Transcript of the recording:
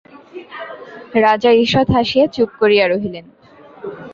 রাজা ঈষৎ হাসিয়া চুপ করিয়া রহিলেন।